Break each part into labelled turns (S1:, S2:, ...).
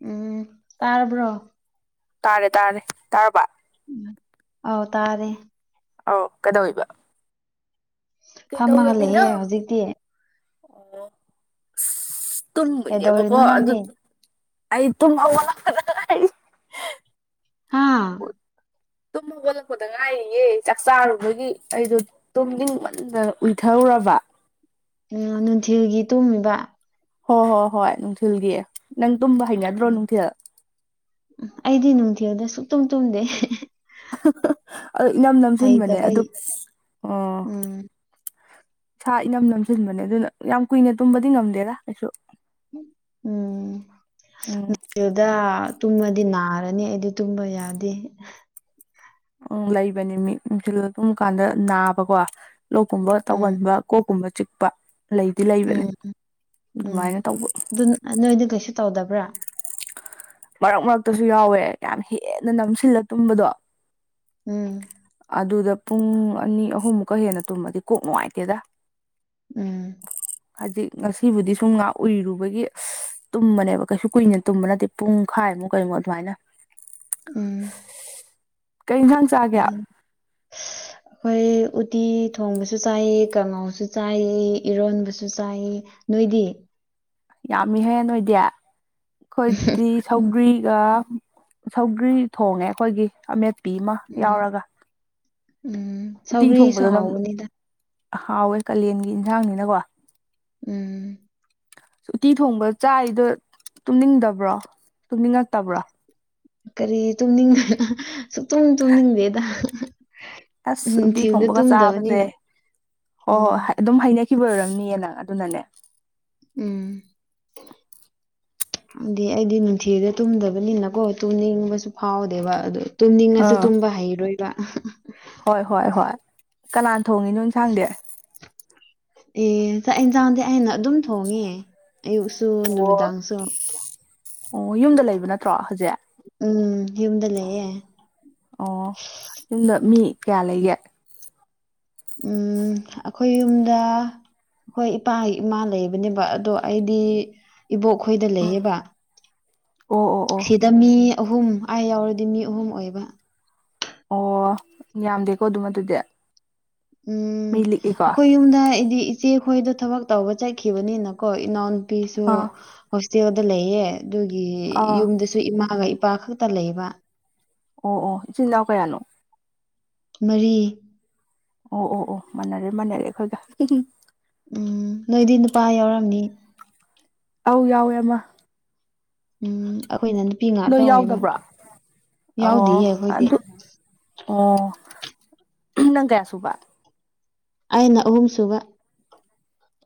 S1: ꯎꯝ ꯇꯥꯔꯕ꯭ꯔꯣ
S2: ꯇꯥꯔꯦ ꯇꯥꯔꯦ ꯇꯥꯔꯕꯥ
S1: ꯑꯥꯎ ꯇꯥꯔꯦ
S2: ꯑꯧ ꯀꯩꯗꯧꯏꯕ
S1: ꯐꯝꯃꯒ
S2: ꯀꯩꯗꯧꯔꯝꯃꯤꯅꯣ
S1: ꯂꯩꯌꯦ ꯍꯧꯖꯤꯛꯇꯤ
S2: ꯑꯣ ꯑꯁ ꯇꯨꯝꯕꯩꯅꯦꯕꯀꯣ
S1: ꯀꯩꯗꯧꯔꯤꯅꯣ
S2: ꯑꯗꯨ
S1: ꯅꯪꯗꯤ
S2: ꯑꯩ ꯇꯨꯝꯍꯧꯒꯠꯂꯛꯄꯗ
S1: ꯍꯥꯥ
S2: ꯇꯨꯝ ꯍꯧꯒꯠꯂꯛꯄꯗ ꯉꯥꯏꯔꯤꯌꯦ ꯆꯥꯛ ꯆꯥꯔꯨꯕꯒꯤ ꯑꯩꯗꯣ ꯇꯨꯝꯅꯤꯡꯃꯝꯗꯅ ꯎꯏꯊꯔꯨꯔꯕ
S1: ꯅꯅꯥ ꯅꯨꯡꯊꯤꯜꯒꯤ ꯇꯨꯝꯃꯤꯕ
S2: ꯍꯣ ꯍꯣ ꯍꯣꯏ ꯅꯨꯡꯊꯤꯜꯒꯤ ꯅꯪ ꯇꯨꯝꯕ ꯍꯩꯅꯗ꯭ꯔꯣ
S1: ꯎꯝ
S2: ꯅꯨꯡꯊꯤꯜ
S1: ꯑꯩꯗꯤ ꯅꯨꯡꯊꯤꯜꯗ ꯁꯨꯛꯇꯨꯝ ꯇꯨꯝꯗꯦ
S2: ꯑꯗꯨ ꯏꯅꯝ ꯅꯝꯖꯤꯟꯕꯅꯦ
S1: ꯍꯩꯇꯕꯩ
S2: ꯑꯗꯨ ꯑꯣ
S1: ꯎꯝ
S2: ꯏꯁꯥ ꯏꯅꯝ ꯅꯝꯖꯤꯟꯕꯅꯦ ꯑꯗꯨꯅ ꯌꯥꯝ ꯀꯨꯏꯅ ꯇꯨꯝꯕꯗꯤ ꯉꯝꯗꯦꯗꯥ ꯑꯩꯁꯨ
S1: ꯎꯝ [unintelligible]
S2: ꯎꯝ
S1: ꯗꯥ ꯇꯨꯝꯃꯗꯤ ꯅꯥꯔꯅꯤ ꯑꯩꯗꯤ ꯇꯨꯝꯕ ꯌꯥꯗꯦ
S2: ꯎꯝ ꯂꯩꯕꯅꯤ ꯃꯤ ꯅꯨꯡꯊꯤꯜꯗ ꯇꯨꯝ ꯀꯥꯟꯗ ꯅꯥꯕꯀꯣ ꯂꯣꯛꯀꯨꯝꯕ
S1: ꯎꯝ
S2: ꯇꯧꯒꯟꯕ ꯀꯣꯛꯀꯨꯝꯕ ꯆꯤꯛꯄ ꯂꯩꯗꯤ ꯂꯩꯕꯅꯦ
S1: ꯎꯝ ꯎꯝ
S2: ꯑꯗꯨꯃꯥꯏꯅ ꯇꯧꯕ
S1: ꯑꯗꯨ ꯑ ꯅꯣꯏꯗꯤ ꯀꯩꯁꯨ ꯇꯧꯗꯕ꯭ꯔꯥ
S2: ꯃꯔꯛ ꯃꯔꯛꯇꯁꯨ ꯌꯥꯎꯋꯦ ꯌꯥꯝ ꯍꯦꯟꯅ ꯅꯝꯁꯤꯜꯂ ꯇꯨꯝꯕꯗꯣ
S1: ꯎꯝ
S2: ꯑꯗꯨꯗ ꯄꯨꯡ ꯑꯅꯤ ꯑꯍꯨꯝꯃꯨꯛꯀ ꯍꯦꯟꯅ ꯇꯨꯝꯃꯗꯤ ꯀꯣꯛ ꯅꯨꯡꯉꯥꯏꯇꯦꯗ
S1: ꯎꯝ
S2: ꯍꯥꯏꯖꯤꯛ ꯉꯁꯤꯕꯨꯗꯤ ꯁꯨꯝ ꯉꯥꯛ ꯎꯨꯏꯔꯨꯕꯒꯤ ꯇꯨꯝꯕꯅꯦꯕ ꯀꯩꯁꯨ ꯀꯨꯏꯅ ꯇꯨꯝꯕ ꯅꯠꯇꯦ ꯄꯨꯡꯈꯥꯏꯃꯨꯛ ꯀꯩꯃꯣꯛ ꯑꯗꯨꯃꯥꯏꯅ
S1: ꯎꯝ
S2: ꯀꯩ ꯏꯟꯖꯥꯡꯁ
S1: [unintelligible] ꯑꯈꯣꯏ ꯎꯠꯇꯤ ꯊꯣꯡꯕꯁꯨ ꯆꯥꯏꯌꯦ ꯀꯉꯥꯎꯁꯨ ꯆꯥꯏꯌꯦ ꯏꯔꯣꯟꯕꯁꯨ ꯆꯥꯏꯌꯦ ꯅꯣꯏꯗꯤ
S2: ꯌꯥꯝꯃꯤꯍꯦ ꯅꯣꯏꯗꯤ ꯑꯩꯈꯣꯏꯗꯤ
S1: ꯎꯝ
S2: ꯁꯧꯒ꯭ꯔꯤꯒ ꯁꯧꯒ꯭ꯔꯤ ꯊꯣꯡꯉꯦ ꯑꯩꯈꯣꯏꯒꯤ ꯑꯃꯦꯠꯄꯤ ꯑꯃ
S1: ꯎꯝ
S2: ꯌꯥꯎꯔꯒ
S1: ꯎꯝ
S2: ꯎꯇꯤ
S1: ꯁꯧꯒ꯭ꯔꯤꯁꯨ
S2: ꯊꯣꯡꯕꯗꯣ ꯅꯝ
S1: ꯍꯥꯎꯕꯅꯤꯗ
S2: ꯍꯥꯎꯋꯦ ꯀꯜꯂꯦꯟꯒꯤ ꯏꯟꯁꯥꯡꯅꯤꯅꯀꯣ
S1: ꯎꯝ
S2: ꯎꯇꯤ ꯊꯣꯡꯕ ꯆꯥꯏꯗꯣ ꯇꯨꯝꯅꯤꯡꯗꯕ꯭ꯔꯣ ꯇꯨꯝꯅꯤꯡꯉꯛꯇꯕ꯭ꯔꯣ
S1: ꯀꯔꯤ ꯇꯨꯝꯅꯤꯡ ꯑꯍꯥꯍꯥ ꯁꯨꯛꯇꯨꯝ ꯇꯨꯝꯅꯤꯡꯗꯦꯗ ꯑꯍꯥꯍꯥ
S2: ꯑꯁ ꯎꯇꯤ ꯊꯣꯡꯕꯒ ꯆꯥꯕꯁꯦ ꯍꯣ ꯍꯣ
S1: ꯎꯝ
S2: ꯍꯠ ꯑꯗꯨꯝ ꯍꯩꯅꯈꯤꯕ ꯑꯣꯏꯔꯝꯅꯤꯌꯦ ꯅꯪ ꯑꯗꯨꯅꯅꯦ
S1: ꯎꯝ ꯗꯦ ꯑꯩꯗꯤ ꯅꯨꯡꯊꯤꯜꯗ ꯇꯨꯝꯗꯕꯅꯤꯅꯀꯣ ꯇꯨꯝꯅꯤꯡꯕꯁꯨ ꯐꯥꯎꯗꯦꯕ ꯑꯗꯨ ꯇꯨꯝꯅꯤꯡꯉꯁꯨ
S2: ꯑꯥ
S1: ꯇꯨꯝꯕ ꯍꯩꯔꯣꯏꯕ ꯑꯍꯍ
S2: ꯍꯣꯏ ꯍꯣꯏ ꯍꯣꯏ ꯀꯅꯥꯟ ꯊꯣꯡꯉꯤꯅꯣ ꯏꯟꯁꯥꯡꯗꯤ
S1: ꯑꯦ ꯆꯥꯛ ꯑꯦꯟꯁꯥꯡꯗꯤ ꯑꯩꯅ ꯑꯗꯨꯝ ꯊꯣꯡꯉꯦ ꯑꯌꯨꯛꯁꯨ
S2: ꯑꯣ
S1: ꯅꯨꯃꯤꯗꯥꯡꯁꯨ
S2: ꯑꯣ ꯌꯨꯝꯗ ꯂꯩꯕ ꯅꯠꯇ꯭ꯔꯣ ꯍꯧꯖꯦꯛ
S1: ꯎꯝ ꯌꯨꯝꯗ ꯂꯩꯌꯦ
S2: ꯑꯣ ꯌꯨꯝꯗ ꯃꯤ ꯀꯌꯥ ꯂꯩꯒꯦ
S1: ꯎꯝ ꯑꯈꯣꯏ ꯌꯨꯝꯗ ꯍꯣꯏ ꯏꯄꯥ ꯏꯃꯥ ꯂꯩꯕꯅꯦꯕ ꯑꯗꯣ ꯑꯩꯗꯤ ꯏꯕꯣꯛꯈꯣꯏꯗ
S2: ꯎꯝ
S1: ꯂꯩꯌꯦꯕ
S2: ꯑꯣ ꯑꯣ ꯑꯣ
S1: ꯁꯤꯗ ꯃꯤ ꯑꯍꯨꯝ ꯑꯩ ꯌꯥꯎꯔꯗꯤ ꯃꯤ ꯑꯍꯨꯝ ꯑꯣꯏꯕ
S2: ꯑꯣ ꯌꯥꯝꯗꯦꯀꯣ ꯑꯗꯨꯝ ꯑꯗꯨꯗꯤ
S1: ꯎꯝ
S2: ꯃꯤ ꯂꯤꯛꯏꯀꯣ
S1: ꯑꯈꯣꯏ ꯌꯨꯝꯗ ꯑꯩꯗꯤ ꯏꯆꯦꯈꯣꯏꯗꯣ ꯊꯕꯛ ꯇꯧꯕ ꯆꯠꯈꯤꯕꯅꯤꯅꯀꯣ ꯏꯅꯥꯎꯟ ꯄꯤꯁꯨ
S2: ꯑꯥ
S1: ꯍꯣꯁꯇꯦꯜꯗ ꯂꯩꯌꯦ ꯑꯗꯨꯒꯤ
S2: ꯑꯥ
S1: ꯌꯨꯝꯗꯁꯨ ꯏꯃꯥꯒ ꯏꯄꯥ ꯈꯛꯇ ꯂꯩꯕ
S2: ꯑꯣ ꯑꯣ ꯏꯆꯤꯟ ꯅꯥꯎ ꯀꯌꯥꯅꯣ
S1: ꯃꯔꯤ
S2: ꯑꯣ ꯑꯣ ꯑꯣ ꯃꯥꯟꯅꯔꯦ ꯃꯥꯟꯅꯔꯦ ꯑꯩꯈꯣꯏꯒ ꯍꯍꯝ
S1: ꯎꯝ ꯅꯣꯏꯗꯤ ꯅꯨꯄꯥ ꯌꯥꯎꯔꯝꯅꯤ
S2: ꯑꯧ ꯌꯥꯎꯋꯦ ꯑꯃ
S1: ꯎꯝ ꯑꯩꯈꯣꯏꯅ ꯅꯨꯄꯤ ꯉꯥꯠꯇ
S2: ꯅꯣꯏ
S1: ꯑꯣꯏꯕ
S2: ꯌꯥꯎꯗꯕ꯭ꯔꯣ
S1: ꯌꯥꯎꯗꯤꯌꯦ
S2: ꯑꯣ
S1: ꯑꯩꯈꯣꯏꯗꯤ
S2: ꯑꯗꯨ ꯑꯣ ꯅꯪ ꯀꯌꯥ ꯁꯨꯕ
S1: ꯑꯩꯅ ꯑꯍꯨꯝꯁꯨꯨꯕ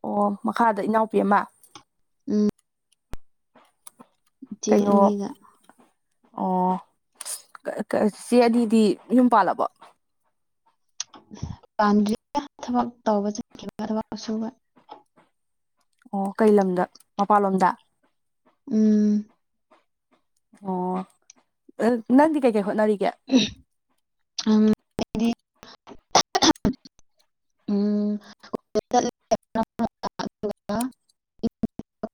S2: ꯑꯣ ꯃꯈꯥꯗ ꯏꯅꯥꯎꯄꯤ ꯑꯃ
S1: ꯎꯝ ꯏꯆꯦ
S2: ꯀꯩꯅꯣ
S1: ꯑꯅꯤꯒ
S2: ꯑꯣ ꯀꯥ ꯀꯥ ꯆꯤꯆꯦ ꯑꯅꯤꯗꯤ ꯌꯨꯝ ꯄꯥꯜꯂꯕꯣ
S1: ꯄꯥꯟꯗ꯭ꯔꯤ ꯑꯥ ꯊꯕꯛ ꯇꯧꯕ ꯆꯠꯈꯤꯕ ꯊꯕꯛ ꯁꯨꯕ
S2: ꯑꯣ ꯀꯩ ꯂꯝꯗ ꯃꯄꯥꯜꯂꯣꯝꯗ
S1: ꯎꯝ
S2: ꯑꯣ ꯑꯥ ꯅꯪꯗꯤ ꯀꯩꯀꯩ ꯍꯣꯠꯅꯔꯤꯒꯦ
S1: ꯎꯝ [unintelligible] ꯎꯝ ꯆꯠꯂꯒ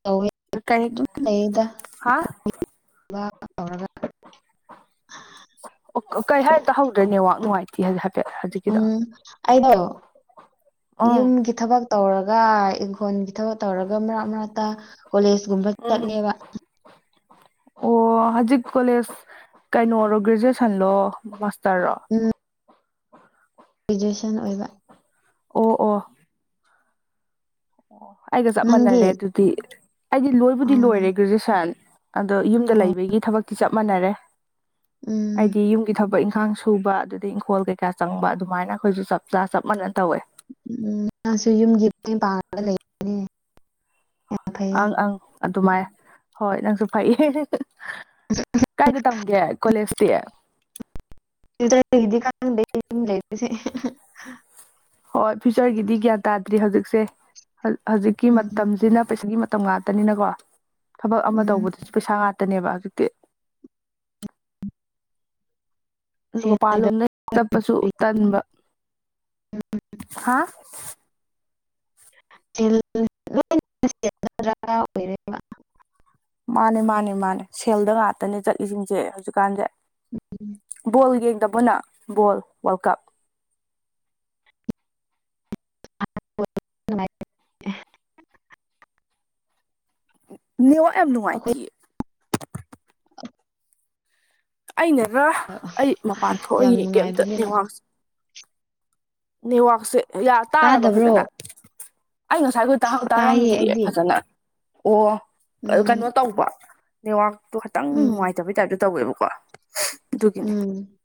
S1: ꯇꯧꯋꯦ
S2: ꯀꯩ
S1: ꯑꯗꯨꯝ ꯂꯩꯗ
S2: ꯍꯥꯥ
S1: ꯊꯕꯛ ꯇꯧꯔꯒ
S2: ꯑꯣ ꯀꯩ ꯍꯥꯏ ꯇꯥꯍꯧꯗ꯭ꯔꯦ ꯅꯦꯠꯋꯥꯛ ꯅꯨꯡꯉꯥꯏ ꯇꯤꯍꯜ ꯍꯥꯏꯐꯦꯠ [unintelligible]
S1: ꯎꯝ ꯑꯩꯗꯣ
S2: ꯎꯝ
S1: ꯌꯨꯝꯒꯤꯠ ꯊꯕꯛ ꯇꯧꯔꯒ ꯏꯪꯈꯣꯟꯒꯤ ꯊꯕꯛ ꯇꯧꯔꯒ ꯃꯔꯛ ꯃꯔꯛꯇ ꯀꯣꯂꯦꯖ ꯒꯨꯝꯕ
S2: ꯎꯝ
S1: ꯆꯠꯂꯦꯕ
S2: ꯑꯣ ꯍꯖꯤꯛ ꯀꯣꯂꯦꯖ ꯀꯩꯅꯣꯔꯣ ꯒ꯭ꯔꯦꯖꯨꯑꯦꯁꯟꯂꯣ ꯃꯥꯁꯇꯔꯔꯣ
S1: ꯎꯝ ꯒꯦꯖꯨꯑꯦꯁꯟ ꯑꯣꯏꯕ
S2: ꯑꯣ ꯑꯣ ꯑꯣ ꯑꯩꯒ ꯆꯞ
S1: ꯅꯪꯗꯤ
S2: ꯃꯥꯟꯅꯔꯦ ꯑꯗꯨꯗꯤ ꯑꯩꯗꯤ ꯂꯣꯏꯕꯨꯗꯤ
S1: ꯑꯥ
S2: ꯂꯣꯏꯔꯦ ꯒ꯭ꯔꯦꯖꯨꯑꯦꯁꯟ ꯑꯗꯣ ꯌꯨꯝꯗ
S1: ꯑꯣ
S2: ꯂꯩꯕꯒꯤ ꯊꯕꯛꯇꯤ ꯆꯞ ꯃꯥꯟꯅꯔꯦ
S1: ꯎꯝ
S2: ꯑꯩꯗꯤ ꯌꯨꯝꯒꯤ ꯊꯕꯛ ꯏꯪꯈꯥꯡꯁꯨ ꯊꯨꯕ ꯑꯗꯨꯗꯩ ꯏꯪꯈꯣꯜ ꯀꯩꯀꯥ ꯆꯪꯕ ꯑꯗꯨꯃꯥꯏꯅ ꯑꯈꯣꯏꯁꯨ ꯆꯞ ꯆꯥ ꯆꯞ ꯃꯥꯟꯅꯅ ꯇꯧꯋꯦ
S1: ꯎꯝ ꯃꯥꯁꯦ ꯌꯨꯝꯒꯤ ꯃꯇꯦꯡ ꯄꯥꯡꯉꯒ ꯂꯩꯕꯅꯦ ꯌꯥꯝ ꯐꯩꯌꯦ
S2: ꯑꯪ ꯑꯪ ꯑꯗꯨꯃꯥꯏ ꯍꯣꯏ ꯅꯪꯁꯨ ꯐꯩꯌꯦ ꯀꯥꯏꯗ ꯇꯝꯒꯦ ꯀꯣꯂꯦꯁꯇꯤ
S1: [unintelligible] ꯒꯤꯗꯤ ꯈꯪꯗꯦ ꯌꯨꯝ ꯂꯩꯕꯁꯤ
S2: ꯍꯣꯏ ꯐ꯭ꯌꯨꯆꯔꯒꯤꯗꯤ ꯒ꯭ꯌꯥꯟ ꯇꯥꯗ꯭ꯔꯤ ꯍꯧꯖꯤꯛꯁꯦ ꯍꯧꯖꯤꯛꯀꯤ
S1: ꯎꯝ
S2: ꯃꯇꯝꯁꯤꯅ ꯄꯩꯁꯥꯒꯤ ꯃꯠ ꯇꯝ ꯉꯥꯛꯇꯅꯤꯅꯀꯣ ꯊꯕꯛ ꯑꯃ
S1: ꯎꯝ
S2: ꯇꯧꯕꯗꯁꯨ ꯄꯩꯁꯥ ꯉꯥꯇꯅꯦꯕ ꯍꯖꯤꯛꯇꯤ ꯑꯗꯨ
S1: ꯁꯦꯜꯗ
S2: ꯃꯄꯥꯟꯂꯣꯝꯗ ꯆꯞꯄꯁꯨ
S1: ꯑꯩꯈꯣꯏ
S2: ꯇꯟꯕ ꯍꯥ
S1: [unintelligible]
S2: ꯃꯥꯅꯦ ꯃꯥꯅꯦ ꯃꯥꯅꯦ ꯁꯦꯜꯗ ꯉꯥꯇꯅꯦ ꯆꯠꯂꯤꯖꯤꯡꯁꯦ ꯍꯧꯖꯤꯛ ꯀꯥꯟꯖꯦ ꯕꯣꯜ ꯌꯦꯡꯗꯕꯣ ꯅꯪ ꯕꯣꯜ ꯋꯥꯔꯜ ꯀꯞ
S1: [unintelligible]
S2: ꯅꯦꯋꯥꯛ ꯌꯥꯝ
S1: ꯑꯩꯈꯣꯏ
S2: ꯅꯨꯉꯥꯏꯇꯤꯌꯦ ꯑꯩꯅꯔ ꯑꯩ ꯃꯄꯥꯟ ꯊꯣꯛꯑ
S1: ꯌꯥꯝ
S2: ꯌꯦꯡꯒꯦ ꯑꯝꯇ
S1: ꯅꯨꯡꯉꯥꯏꯕꯅꯦꯕ
S2: ꯅꯦꯋꯥꯛꯁꯦ ꯅꯦꯋꯥꯁꯦ ꯌ ꯇꯥꯔꯕ
S1: ꯇꯥꯗꯕ꯭ꯔꯣ
S2: ꯐꯖꯅ ꯑꯩ ꯉꯁꯥꯏꯒꯣꯏ ꯇꯍꯧ
S1: ꯇꯥꯏꯌꯦ
S2: ꯇꯥꯔꯝꯗꯤꯌꯦ
S1: ꯑꯩꯗꯤ
S2: ꯐꯖꯅ ꯑꯣ
S1: ꯎꯝ
S2: ꯀꯩꯅꯣ ꯇꯧꯕ ꯅꯦꯋꯥꯛꯇꯣ ꯈꯇꯪ
S1: ꯎꯝ
S2: ꯅꯨꯉꯥꯏꯇꯕꯩ ꯇꯥꯏꯞꯇ ꯇꯧꯋꯦꯕꯣ
S1: ꯎꯝ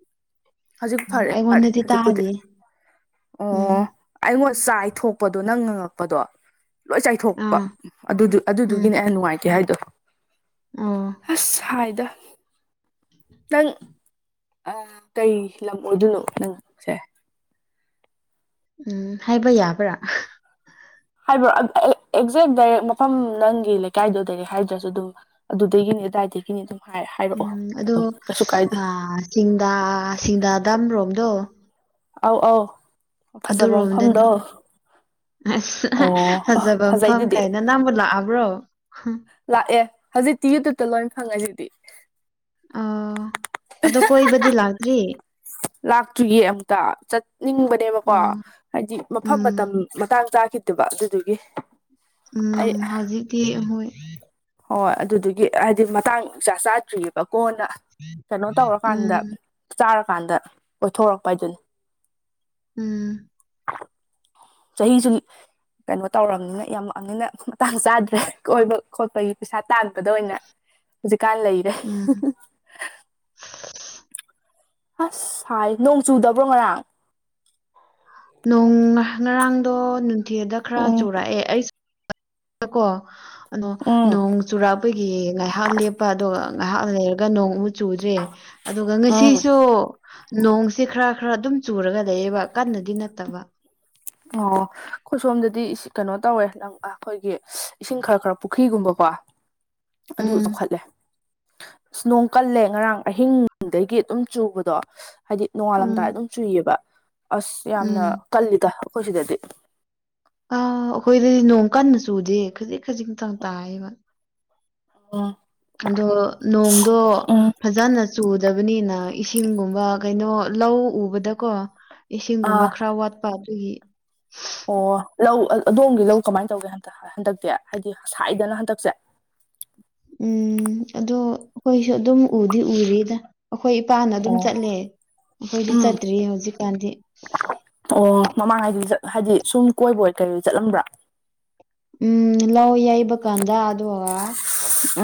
S2: ꯍꯖꯤꯛ ꯐꯔꯦ ꯐꯔꯦ
S1: ꯑꯩꯉꯣꯟꯗꯗꯤ
S2: ꯍꯖꯤꯛꯄꯨꯗꯤ
S1: ꯇꯥꯗꯦ ꯎꯝ
S2: ꯑꯣꯑꯣ ꯑꯩꯉꯣꯟ ꯆꯥꯏꯊꯣꯛꯄꯗꯣ ꯅꯪ ꯉꯪꯉꯛꯄꯗꯣ ꯂꯣꯏ ꯆꯥꯏꯊꯣꯛꯄ
S1: ꯑꯥ
S2: ꯑꯗꯨꯗꯨ
S1: ꯎꯝ
S2: ꯑꯗꯨꯗꯨꯒꯤꯅꯦ ꯑꯩꯅ ꯅꯨꯉꯥꯏꯇꯦ ꯍꯥꯏꯗꯣ
S1: ꯑꯣ
S2: ꯑꯁ ꯁꯥꯏꯗ ꯅꯪ ꯑ ꯀꯩ ꯂꯝ ꯑꯣꯢꯗꯣꯏꯅꯣ ꯅꯪ
S1: ꯎꯝ ꯍꯥꯏꯕ ꯌꯥꯕ꯭ꯔꯥ
S2: ꯍꯥꯏꯕ ꯑꯕ ꯑꯦꯛ ꯑꯦꯛꯖꯦꯛ ꯗꯥꯏꯔꯦꯛ ꯃꯐꯝ ꯅꯪꯒꯤ ꯂꯩꯀꯥꯏꯗꯣ ꯗꯩꯔꯦꯛ ꯍꯥꯏꯗ꯭ꯔꯖꯨ ꯗꯨꯝ ꯑꯗꯨꯗꯩꯒꯤꯅꯤ ꯑꯗꯨꯗꯥꯏꯗꯒꯤꯅꯤ ꯑꯗꯨꯝ ꯍꯥꯏ ꯍꯥꯏꯔꯛꯑꯣ ꯑꯗꯨꯝ ꯀꯩꯁꯨ ꯀꯥꯏꯗꯦ
S1: ꯆꯤꯡꯗꯥ ꯁꯤꯡꯗꯥ ꯗꯥꯝ ꯔꯣꯝꯗꯣ
S2: ꯑꯧ ꯑꯧ ꯐꯖꯕ
S1: ꯑꯗꯨꯔꯣꯝꯗꯅꯤ
S2: ꯃꯐꯝꯗꯣ
S1: ꯑꯁ ꯑꯍꯥ
S2: ꯑꯣ
S1: ꯐꯖꯕ ꯃꯐꯝ
S2: ꯐꯖꯩꯗꯨꯗꯤ
S1: ꯀꯩꯅ ꯅꯝꯕꯨ ꯂꯥꯑꯕ꯭ꯔꯣ
S2: ꯂꯥꯑꯦ ꯍꯧꯖꯤꯛꯇꯤ ꯌꯨꯇꯨꯞꯇ ꯂꯣꯏ ꯐꯪꯉꯖꯤꯗꯤ
S1: ꯑꯣ ꯑꯗꯣ ꯀꯣꯏꯕꯗꯤ ꯂꯥꯛꯇ꯭ꯔꯤ
S2: ꯂꯥꯛꯇ꯭ꯔꯤꯌꯦ ꯑꯃꯨꯛꯇ ꯆꯠꯅꯤꯡꯕꯅꯦꯕꯀꯣ
S1: ꯑꯣ
S2: ꯍꯥꯏꯗꯤ ꯃꯐꯝ
S1: ꯎꯝ
S2: ꯃꯇꯝ ꯃꯇꯥꯡ ꯆꯈꯤꯗꯕ ꯑꯗꯨꯗꯨꯒꯤ ꯑꯩ
S1: ꯎꯝ ꯍꯧꯖꯤꯛꯇꯤ ꯍꯣꯏ
S2: ꯍꯣꯏ ꯑꯗꯨꯗꯨꯒꯤ ꯍꯥꯏꯗꯤ ꯃꯇꯥꯡ ꯏꯆꯥ ꯆꯥꯗ꯭ꯔꯤꯑꯦꯕ ꯀꯣꯟꯅ ꯀꯩꯅꯣ ꯇꯧꯔꯀꯥꯟꯗ
S1: ꯎꯝ
S2: ꯆꯥꯔꯀꯥꯟꯗ ꯀꯣꯏꯊꯣꯔꯛꯄ ꯍꯥꯏꯗꯨꯅꯤ
S1: ꯎꯝ
S2: ꯆꯍꯤꯁꯨꯝ ꯀꯩꯅꯣ ꯇꯧꯔꯕꯅꯤꯅ ꯌꯥꯝꯃꯛꯑꯕꯅꯤꯅ ꯃꯇꯥꯡ ꯆꯥꯗ꯭ꯔꯦ ꯀꯣꯏꯕ ꯈꯣꯠꯄꯒꯤ ꯄꯩꯁꯥ ꯇꯥꯟꯕꯗ ꯑꯣꯏꯅ ꯍꯧꯖꯤꯛꯀꯥꯟ ꯂꯩꯔꯦ
S1: ꯎꯝ
S2: ꯑꯁ ꯁꯥꯏ ꯅꯣꯡ ꯆꯨꯗꯕ꯭ꯔꯣ ꯉꯔꯥꯡ
S1: ꯅꯣꯡ ꯉꯔꯥꯡꯗꯣ ꯅꯨꯡꯊꯤꯗ ꯈꯔ
S2: ꯎꯝ
S1: ꯆꯨꯔꯛꯑꯦ ꯑꯩ ꯗꯀꯣ ꯑꯗꯣ
S2: ꯎꯝ
S1: ꯅꯣꯡ ꯆꯨꯔꯥꯛꯄꯒꯤ ꯉꯥꯏꯍꯥꯛ ꯂꯦꯞꯄ ꯑꯗꯨꯒ ꯉꯥꯏꯍꯥꯛ ꯂꯩꯔꯒ ꯅꯣꯡꯃꯨꯛ ꯆꯨꯗ꯭ꯔꯦ ꯑꯗꯨꯒ
S2: ꯎꯝ
S1: ꯉꯁꯤꯁꯨ ꯅꯣꯡꯁꯦ ꯈꯔ ꯈꯔ ꯑꯗꯨꯝ ꯆꯨꯔꯒ ꯂꯩꯌꯦꯕ ꯀꯟꯅꯗꯤ ꯅꯠꯇꯕ
S2: ꯑꯣ ꯑꯩꯈꯣꯏ ꯁꯣꯝꯗꯗꯤ ꯀꯩꯅꯣ ꯇꯧꯋꯦ ꯑꯩꯈꯣꯏꯒꯤ ꯏꯁꯤꯡ ꯈꯔ ꯈꯔ ꯄꯨꯈ꯭ꯔꯤꯒꯨꯝꯕꯀꯣ ꯑꯗꯨ
S1: ꯎꯝ
S2: ꯆꯥꯎꯈꯠꯂꯦ ꯑꯁ ꯅꯣꯡ ꯀꯜꯂꯦ ꯉꯔꯥꯡ ꯑꯍꯤꯡꯗꯒꯤ ꯑꯗꯨꯝ ꯆꯨꯕꯗꯣ ꯍꯥꯏꯗꯤ
S1: ꯎꯝ
S2: ꯅꯣꯡꯉꯥꯜꯂꯝꯗꯥꯏ ꯑꯗꯨꯝ ꯆꯨꯏꯌꯦꯕ ꯑꯁ ꯌꯥꯝꯅ
S1: ꯎꯝ
S2: ꯀꯜꯂꯤꯗ ꯑꯩꯈꯣꯏ ꯁꯤꯗꯗꯤ
S1: ꯑꯥ ꯑꯩꯈꯣꯏꯗꯗꯤ ꯅꯣꯡ ꯀꯟꯅ ꯆꯨꯗꯦ ꯈꯖꯤꯛ ꯈꯖꯤꯛꯇꯪ ꯇꯥꯏꯌꯦꯕ
S2: ꯎꯝ
S1: ꯑꯗꯣ ꯅꯣꯡꯗꯣ
S2: ꯎꯝ
S1: ꯐꯥꯖꯅ ꯆꯨꯗꯕꯅꯤꯅ ꯏꯁꯤꯡꯒꯨꯝꯕ ꯀꯩꯅꯣ ꯂꯧ ꯎꯕꯗꯀꯣ ꯏꯁꯤꯡꯒꯨꯝꯕ
S2: ꯑꯥ
S1: ꯈꯔ ꯋꯥꯠꯄ ꯑꯗꯨꯒꯤ
S2: ꯑꯣ ꯂꯧ ꯑꯗꯣꯝꯒꯤ ꯂꯧ ꯀꯃꯥꯏꯅ ꯇꯧꯒꯦ ꯍꯟꯗꯛ ꯍꯟꯗꯛꯇꯤ ꯍꯥꯏꯗꯤ ꯁꯥꯏꯗꯅ ꯍꯟꯗꯛꯁꯦ
S1: ꯎꯝ ꯑꯗꯣ ꯑꯩꯈꯣꯏꯁꯨ ꯑꯗꯨꯝ ꯎꯗꯤ ꯎꯔꯤꯗ ꯑꯩꯈꯣꯏ ꯏꯄꯥꯅ ꯑꯗꯨꯝ
S2: ꯑꯣ
S1: ꯆꯠꯂꯦ ꯑꯩꯈꯣꯏꯗꯤ
S2: ꯎꯝ
S1: ꯆꯠꯇ꯭ꯔꯤꯌꯦ ꯍꯧꯖꯤꯛꯀꯥꯟꯗꯤ
S2: ꯑꯣ ꯃꯃꯥꯡꯉꯩꯗꯤ ꯍꯥꯏꯗꯤ ꯁꯨꯝ ꯀꯣꯏꯕꯣꯏ ꯀꯩꯕꯣꯏ ꯆꯠꯂꯝꯕ꯭ꯔꯥ
S1: ꯎꯝ ꯂꯧ ꯌꯩꯕ ꯀꯥꯟꯗ ꯑꯗꯨꯒ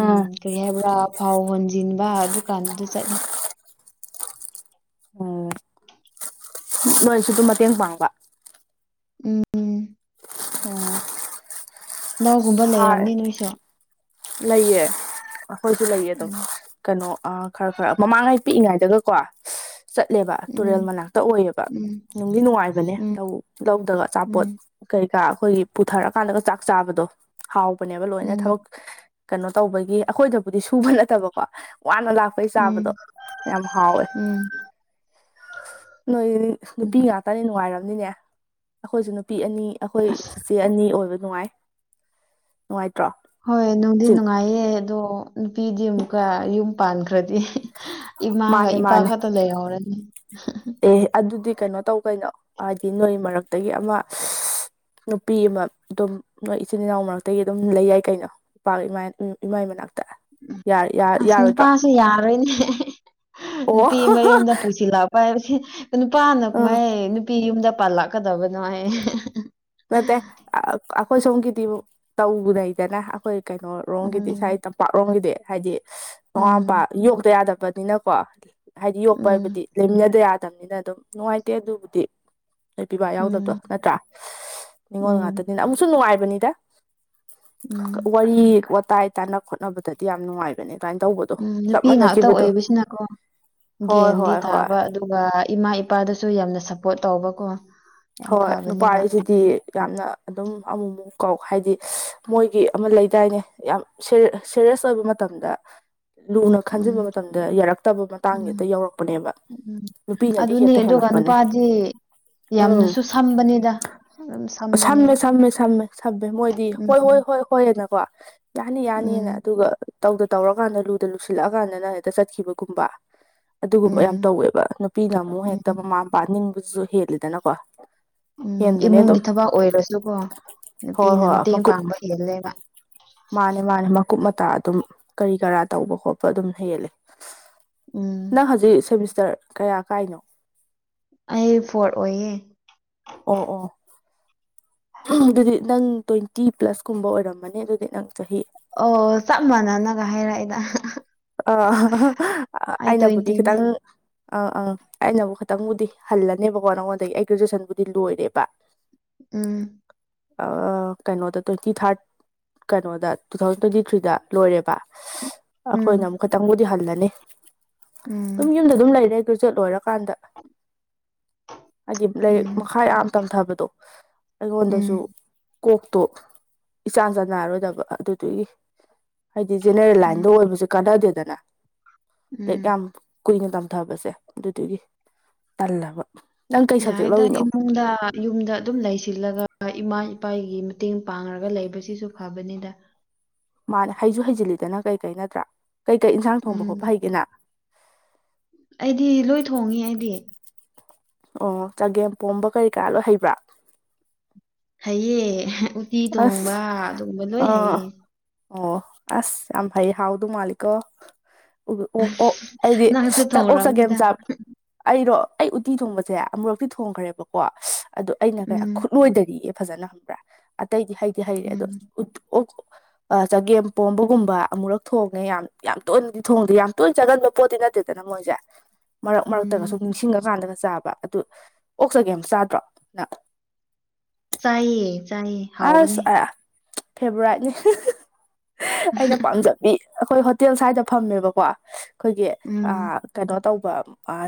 S1: ꯎꯝ ꯀꯔꯤ ꯍꯥꯏꯕ꯭ꯔꯥ ꯐꯥꯎ ꯍꯨꯟꯖꯤꯟꯕ ꯑꯗꯨꯀꯥꯟꯗꯨꯗ ꯆꯠꯂꯦ
S2: ꯎꯝ
S1: [inaudible]
S2: ꯅꯣꯏꯁꯨ ꯑꯗꯨꯝ ꯃꯇꯦꯡ ꯄꯥꯡꯕ
S1: ꯎꯝ ꯎꯝ
S2: ꯑꯣ
S1: ꯂꯧꯒꯨꯝꯕ ꯂꯩꯔꯝꯅꯤ ꯅꯣꯏꯁꯨ
S2: ꯂꯩꯌꯦ ꯑꯩꯈꯣꯏꯁꯨ ꯂꯩꯌꯦ ꯑꯗꯨꯝ
S1: ꯎꯝ
S2: ꯀꯩꯅꯣ ꯑꯥ ꯈꯔ ꯈꯔ ꯃꯃꯥꯡꯉꯩ ꯄꯤꯛꯏꯉꯩꯗꯒꯀꯣ ꯆꯠꯂꯦꯕ ꯇꯨꯔꯦꯜ
S1: ꯎꯝ
S2: ꯃꯅꯥꯛꯇ ꯑꯣꯏꯌꯦꯕ
S1: ꯎꯝ
S2: ꯅꯨꯡꯗꯤ ꯅꯨꯡꯉꯥꯏꯕꯅꯦ
S1: ꯎꯝ
S2: ꯂꯧ ꯂꯧꯗꯒ ꯑꯆꯥꯄꯣꯠ
S1: ꯎꯝ
S2: ꯀꯩꯀꯥ ꯑꯩꯈꯣꯏꯒꯤ ꯄꯨꯊꯔꯀꯥꯟꯗꯒ ꯆꯥꯛ ꯆꯥꯕꯗꯣ ꯍꯥꯎꯕꯅꯦꯕ ꯂꯣꯏꯅ
S1: ꯎꯝ
S2: ꯊꯕꯛ ꯀꯩꯅꯣ ꯇꯧꯕꯒꯤ ꯑꯩꯈꯣꯏꯗꯕꯨꯗꯤ ꯁꯨꯕ ꯅꯠꯇꯕꯀꯣ ꯋꯥꯅ ꯂꯥꯛꯄ ꯍꯩ ꯆꯥꯕꯗꯣ
S1: ꯎꯝ
S2: ꯌꯥꯝ ꯍꯥꯎꯋꯦ
S1: ꯎꯝ
S2: ꯅꯣꯏꯗꯤ ꯅꯨꯄꯤ
S1: ꯎꯝ
S2: ꯉꯥꯛꯇꯅꯤ ꯅꯨꯡꯉꯥꯏꯔꯝꯅꯤꯅꯦ ꯑꯩꯈꯣꯏꯁꯨ ꯅꯨꯄꯤ ꯑꯅꯤ ꯑꯩꯈꯣꯏ ꯆꯤꯆꯦ ꯑꯅꯤ ꯑꯣꯏꯕ ꯅꯨꯡꯉꯥꯏ ꯅꯨꯡꯉꯥꯏꯇ꯭ꯔꯣ
S1: ꯍꯣꯏ ꯅꯨꯡꯗꯤ
S2: ꯆꯤ
S1: ꯅꯨꯡꯉꯥꯏꯌꯦ ꯑꯗꯣ ꯅꯨꯄꯤꯗꯤ ꯑꯃꯨꯛꯀ ꯌꯨꯝ ꯄꯥꯟꯈ꯭ꯔꯗꯤ ꯏꯃꯥꯒ
S2: ꯃꯥꯅꯦ
S1: ꯏꯄꯥ
S2: ꯃꯥꯅꯦ
S1: ꯈꯛꯇ ꯂꯩꯍꯧꯔꯅꯤ
S2: ꯑꯦ ꯑꯗꯨꯗꯤ ꯀꯩꯅꯣ ꯇꯧ ꯀꯩꯅꯣ ꯍꯥꯏꯗꯤ ꯅꯣꯏ ꯃꯔꯛꯇꯒꯤ ꯑꯃ ꯅꯨꯄꯤ ꯑꯃ ꯑꯗꯨꯝ ꯃꯣꯏ ꯏꯆꯤꯟ ꯏꯅꯥꯎ ꯃꯔꯛꯇꯒꯤ ꯑꯗꯨꯝ ꯂꯩ ꯌꯥꯏ ꯀꯩꯅꯣ ꯅꯨꯄꯥ ꯏꯃꯥꯏ ꯏꯃꯥꯏ ꯃꯅꯥꯛꯇ ꯌꯥ ꯌꯥ ꯌꯥꯔꯣꯏꯗ꯭ꯔꯣ
S1: ꯨ ꯌꯥꯔꯣꯏꯅꯦ
S2: ꯑꯣ
S1: ꯅꯨꯄꯤ ꯃꯌꯨꯝꯗ ꯄꯨꯁꯤꯜꯂꯛ ꯄꯥꯏꯕꯁꯤ ꯅꯨꯄꯥ ꯑꯃꯅ
S2: ꯎꯝ
S1: ꯀꯃꯥꯏ ꯅꯨꯄꯤ ꯌꯨꯝꯗ ꯄꯥꯜꯂꯥꯛꯀꯗꯕꯅꯣ ꯍꯥꯏꯑꯦ
S2: ꯅꯠꯇꯦ ꯑꯥ ꯑꯛ ꯑꯩꯈꯣꯏ ꯁꯣꯝꯒꯤꯗꯤ ꯇꯧꯒꯤ ꯅꯩꯗꯅ ꯑꯩꯈꯣꯏ ꯀꯩꯅꯣꯔꯣꯝꯒꯤꯗꯤ ꯏꯁꯥꯥꯏ
S1: ꯎꯝ
S2: ꯇꯝ ꯄꯥꯛꯂꯣꯝꯒꯤꯗꯤ ꯍꯥꯏꯗꯤ ꯃꯃꯥ ꯃꯄꯥ
S1: ꯎꯝ
S2: ꯌꯣꯛꯇ ꯌꯥꯗꯕꯅꯤꯅꯀꯣ ꯍꯥꯏꯗꯤ ꯌꯣꯛꯄ
S1: ꯎꯝ
S2: ꯍꯥꯏꯕꯗꯤ ꯂꯩꯃꯤꯟꯅꯗ ꯌꯥꯗꯝꯅꯤꯅ ꯑꯗꯨꯝ ꯅꯨꯡꯉꯥꯏꯇꯦ ꯑꯗꯨꯕꯨꯗꯤ ꯄꯤꯕꯥ ꯌꯥꯎꯗꯕꯗꯣ
S1: ꯎꯝ
S2: ꯅꯠꯇ꯭ꯔꯥ ꯅꯤꯉꯣꯜ
S1: ꯎꯝ
S2: ꯉꯥꯛꯇꯅꯤꯅ ꯑꯃꯨꯛꯁꯨ ꯅꯨꯡꯉꯥꯏꯕꯅꯤꯗ
S1: ꯎꯝ
S2: ꯋꯥꯔꯤ ꯋꯥꯇꯥꯏ ꯇꯥꯟꯅ ꯈꯣꯠꯅꯕꯗꯗꯤ ꯌꯥꯝ ꯅꯨꯡꯉꯥꯏꯕꯅꯦ ꯑꯗꯨꯃꯥꯏꯟ ꯇꯧꯕꯠ
S1: ꯎꯝ ꯅꯨꯄꯤ ꯉꯥꯛꯇ ꯑꯣꯏꯕꯁꯤꯅꯀꯣ
S2: ꯍꯣꯏ
S1: ꯒꯦꯟꯗꯤ
S2: ꯍꯣꯏ ꯍꯣꯏ
S1: ꯇꯥꯕ ꯑꯗꯨ ꯑꯗꯨꯒ ꯏꯃꯥ ꯏꯄꯥꯗꯁꯨ ꯌꯥꯝꯅ ꯁꯄꯣꯔꯠ ꯇꯧꯕꯀꯣ ꯌꯥꯝ
S2: ꯍꯣꯏ ꯅꯨꯄꯥ
S1: ꯐꯕꯅꯦꯕ
S2: ꯍꯥꯏꯁꯤꯗꯤ ꯌꯥꯝꯅ ꯑꯗꯨꯝ ꯑꯃꯨꯛ ꯑꯃꯨꯛ ꯀꯥꯎ ꯍꯥꯏꯗꯤ ꯃꯣꯏꯒꯤ ꯑꯃ ꯂꯩꯗꯥꯏꯅꯦ ꯌꯥꯝ ꯁꯦ ꯁꯦꯔꯦꯁ ꯑꯣꯏꯕ ꯃꯇꯝꯗ ꯂꯨꯅ ꯈꯟꯖꯤꯟꯕ
S1: ꯎꯝ
S2: ꯃꯇꯝꯗ ꯌꯥꯔꯛꯇꯕ ꯃꯇꯥꯡ ꯍꯦꯛꯇ
S1: ꯎꯝ
S2: ꯌꯥꯎꯔꯛꯄꯅꯦꯕ
S1: ꯎꯝ
S2: ꯅꯨꯄꯤ ꯅꯗꯤ
S1: ꯑꯗꯨꯅꯦ
S2: ꯍꯦꯠꯇ
S1: ꯑꯗꯨꯒ
S2: ꯍꯦꯜꯂꯛꯄꯅꯦ
S1: [unintelligible]
S2: ꯎꯝ
S1: ꯌꯥꯝꯅꯁꯨ ꯁꯝꯕꯅꯤꯗ [unintelligible]
S2: ꯁꯝꯃꯦ ꯁꯝꯃꯦ ꯁꯝꯃꯦ ꯁꯝꯕꯦ ꯃꯣꯏꯗꯤ ꯍꯣꯏ ꯍꯣꯏ
S1: ꯎꯝ
S2: ꯍꯣꯏ ꯍꯣꯏꯌꯦꯅꯀꯣ ꯌꯥꯅꯤ
S1: ꯎꯝ
S2: ꯌꯥꯅꯤꯅ ꯑꯗꯨꯒ ꯇꯧꯗ ꯇꯧꯔꯀꯥꯟꯗ ꯂꯨꯗ ꯂꯨꯁꯤꯜꯂꯛꯑꯀꯥꯟꯗꯅ ꯍꯦꯛꯇ ꯆꯠꯈꯤꯕꯒꯨꯝꯕ ꯑꯗꯨꯒꯨꯝꯕ ꯌꯥꯝ
S1: ꯎꯝ
S2: ꯇꯧꯋꯦꯕ ꯅꯨꯄꯤꯅ ꯑꯃꯨꯛ ꯍꯦꯛꯇ
S1: ꯎꯝ
S2: ꯃꯃꯥ ꯃꯄꯥ ꯅꯤꯡꯕꯗꯨꯁꯨ ꯍꯦꯜꯂꯤꯗꯅꯀꯣ
S1: ꯎꯝ
S2: ꯍꯦꯟꯕꯅꯦ
S1: ꯏꯃꯨꯡꯒꯤ
S2: ꯑꯗꯨꯝ
S1: ꯊꯕꯛ ꯑꯣꯏꯔꯁꯨꯀꯣ
S2: ꯍꯣꯏ
S1: ꯅꯨꯄꯤꯅ
S2: ꯍꯣꯏ
S1: ꯃꯇꯦꯡ
S2: ꯃꯀꯨꯞ
S1: ꯄꯥꯡꯕ ꯍꯦꯜꯂꯦꯕ
S2: ꯃꯥꯅꯦ ꯃꯥꯅꯦ ꯃꯀꯨꯞ ꯃꯇꯥ ꯑꯗꯨꯝ ꯀꯔꯤ ꯀꯔꯥ ꯇꯧꯕ ꯈꯣꯠꯄ ꯑꯗꯨꯝ ꯍꯦꯜꯂꯦ
S1: ꯎꯝ
S2: ꯅꯪ ꯍꯧꯖꯤꯛ ꯁꯦꯃꯤꯁꯇꯔ ꯀꯌꯥ ꯀꯥꯏꯅꯣ
S1: ꯑꯩ ꯐꯣꯔꯠ ꯑꯣꯏꯌꯦ
S2: ꯑꯣ ꯑꯣ ꯑꯗꯨꯗꯤ ꯅꯪ ꯇ꯭ꯋꯦꯟꯇꯤ ꯄ꯭ꯂꯁꯀꯨꯝꯕ ꯑꯣꯏꯔꯝꯃꯅꯤ ꯑꯗꯨꯗꯤ ꯅꯪ ꯆꯍꯤ
S1: ꯑꯣ ꯆꯞ ꯃꯥꯟꯅꯅꯒ ꯍꯥꯏꯔꯛꯑꯦꯗ
S2: ꯑꯥ [unintelligible] ꯑꯩꯅꯕꯨꯗꯤ
S1: ꯇ꯭ꯋꯦꯟꯇꯤꯅꯦ
S2: ꯈꯤꯇꯪ ꯑꯥ ꯑꯥ ꯑꯩꯅꯕꯨ ꯈꯤꯇꯪꯕꯨꯗꯤ ꯍꯜꯂꯅꯦꯕꯀꯣ ꯅꯪꯉꯣꯟꯗꯒꯤ ꯑꯩ ꯒ꯭ꯔꯦꯖꯨꯋꯦꯁꯟꯕꯨꯗꯤ ꯂꯣꯏꯔꯦꯕ
S1: ꯎꯝ
S2: ꯑꯥꯎꯑꯥ ꯀꯩꯅꯣꯗ ꯇ꯭ꯋꯦꯟꯇꯤ ꯐꯥꯏꯕ ꯀꯩꯅꯣꯗ ꯇꯨ ꯊꯥꯎꯖꯟ ꯇ꯭ꯋꯦꯟꯇꯤ ꯊ꯭ꯔꯤꯗ ꯂꯣꯏꯔꯦꯕ ꯈꯣꯏꯅ
S1: ꯎꯝ
S2: ꯑꯃꯨꯛ ꯈꯇꯪꯕꯨꯗꯤ ꯍꯜꯂꯅꯤ ꯑꯗꯨꯝ
S1: ꯎꯝ
S2: ꯌꯨꯝꯗ ꯑꯗꯨꯝ ꯂꯩꯔꯦ ꯒ꯭ꯔꯦꯖꯨꯋꯦꯠ ꯂꯣꯏꯔꯀꯥꯟꯗ ꯍꯥꯏꯗꯤ ꯂꯩꯛ
S1: ꯎꯝ
S2: ꯃꯈꯥ ꯌꯥꯝ ꯇꯝꯊꯕꯗꯣ ꯑꯩꯉꯣꯟꯗꯁꯨ
S1: ꯎꯝ
S2: ꯀꯣꯛꯇꯣ ꯏꯆꯥꯟ ꯆꯥꯟꯅꯔꯣꯏꯗꯕ ꯑꯗꯨꯗꯨꯒꯤ ꯍꯥꯏꯗꯤ ꯖꯦꯅꯦꯔꯦꯜ
S1: ꯎꯝ
S2: ꯂꯥꯏꯟꯗ ꯑꯣꯏꯕꯁꯦ ꯀꯥꯟꯅꯗꯦꯗꯅ ꯂꯥꯏꯛ
S1: ꯎꯝ
S2: ꯌꯥꯝ ꯀꯨꯏꯅ ꯇꯝꯊꯕꯁꯦ ꯑꯗꯨꯗꯨꯒꯤ ꯇꯜꯂꯕ ꯅꯪ ꯀꯩ ꯁꯕꯖꯦꯛ
S1: ꯌꯥꯏꯗꯥ
S2: ꯂꯧꯔꯤꯅꯣ
S1: ꯏꯃꯨꯡꯗꯥ ꯌꯨꯝꯗ ꯑꯗꯨꯝ ꯂꯩꯁꯤꯜꯂꯒ ꯏꯃꯥ ꯏꯄꯥꯒꯤ ꯃꯇꯦꯡ ꯄꯥꯡꯔꯒ ꯂꯩꯕꯁꯤꯁꯨ ꯐꯕꯅꯤꯗ
S2: ꯃꯥꯅꯦ ꯍꯩꯖꯨ ꯍꯩꯖꯤꯜꯂꯤꯗꯅ ꯀꯩꯀꯩ ꯅꯠꯇ꯭ꯔꯥ ꯀꯩꯀꯩ ꯏꯟꯁꯥꯡ ꯊꯣꯡꯕ
S1: ꯎꯝ
S2: ꯈꯣꯠꯄ ꯍꯩꯒꯦꯅ
S1: ꯑꯩꯗꯤ ꯂꯣꯏ ꯊꯣꯡꯉꯤ ꯑꯩꯗꯤ
S2: ꯑꯣ ꯆꯒꯦꯝꯄꯣꯝꯕ ꯀꯔꯤ ꯀꯔꯥ ꯂꯣꯏ ꯍꯩꯕ꯭ꯔꯥ?
S1: ꯍꯩꯌꯦ ꯎꯇꯤ
S2: ꯑꯁ
S1: ꯊꯣꯡꯕ ꯑꯗꯨꯒꯨꯝꯕ ꯂꯣꯏ
S2: ꯑꯥ
S1: ꯍꯩꯌꯦ
S2: ꯑꯣ ꯑꯁ ꯌꯥꯝ ꯍꯩꯌꯦ ꯍꯥꯎꯗꯧ ꯃꯥꯜꯂꯤꯀꯣ ꯎ ꯑꯣ ꯑꯣꯛ ꯑꯩꯗꯤ
S1: ꯅꯪꯁꯨ
S2: [unintelligible] ꯅꯪ ꯑꯣꯛ ꯆꯒꯦꯝ
S1: ꯊꯣꯡꯔꯝꯅꯤꯗ
S2: ꯆꯞ ꯑꯩꯔꯣ ꯑꯩ ꯎꯇꯤ ꯊꯣꯡꯕꯁꯦ ꯑꯃꯨꯔꯛꯇꯤ ꯊꯣꯡꯈ꯭ꯔꯦꯕꯀꯣ [unintelligible] ꯑꯗꯨ ꯑꯩꯅ ꯀꯌꯥ
S1: ꯎꯝ
S2: ꯈꯨꯠꯂꯣꯏꯗꯔꯤꯑꯦ ꯐꯖꯅ ꯈꯪꯕ꯭ꯔꯥ ꯑꯇꯩꯗꯤ ꯍꯩꯗꯤ ꯍꯩꯔꯦ ꯑꯗꯣ
S1: ꯎꯝ
S2: ꯎꯠ ꯑꯣꯛ ꯑꯥ ꯆꯒꯦꯝꯄꯣꯝꯕꯒꯨꯝꯕ ꯑꯃꯨꯔꯛ ꯊꯣꯡꯉꯦ ꯌꯥꯝ ꯌꯥꯝ ꯇꯣꯏꯅꯗꯤ ꯊꯣꯡꯗꯦ ꯌꯥꯝ ꯇꯣꯏ ꯆꯥꯒꯟꯕ ꯄꯣꯠꯇꯤ ꯅꯠꯇꯦꯗꯅ ꯃꯣꯏꯖꯦ ꯃꯔꯛ ꯃꯔꯛꯇꯒ
S1: ꯎꯝ
S2: ꯁꯨꯝ ꯅꯤꯡꯁꯤꯡꯉꯥ ꯀꯥꯟꯗꯒ ꯆꯥꯕ ꯑꯗꯨ ꯑꯣꯛ ꯆꯒꯦꯝ ꯆꯥꯗ꯭ꯔꯣ ꯅꯥ
S1: ꯆꯥꯏꯌꯦ ꯆꯥꯏꯌꯦ
S2: ꯑꯁ
S1: ꯍꯥꯎꯕꯅꯦ
S2: ꯑꯥ [unintelligible] ꯐꯦꯚꯣꯔꯥꯏꯠꯅꯤ [unintelligible] ꯑꯩꯅ ꯄꯥꯝꯖꯕꯤ ꯑꯩꯈꯣꯏ ꯍꯣꯠ ꯇꯦꯜ ꯁ꯭ꯋꯥꯏꯗ ꯐꯝꯃꯦꯕꯀꯣ ꯈꯣꯏꯒꯤ
S1: ꯎꯝ
S2: ꯑꯥ ꯀꯩꯅꯣ ꯇꯧꯕ ꯑꯥꯁ